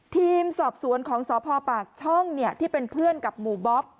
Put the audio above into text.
ทีมสอบสวนของสพปากช่องที่เป็นเพื่อนกับหมู่บ๊อบ